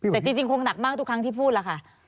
แต่จริงคงหนักมากทุกครั้งที่พูดแล้วค่ะ